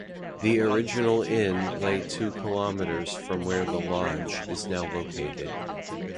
The original inn lay two kilometers from where the lodge is now located.